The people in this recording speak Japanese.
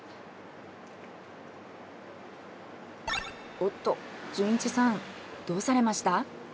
おっとじゅんいちさんどうされました？